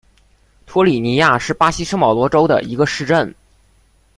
托里尼亚是巴西圣保罗州的一个市镇。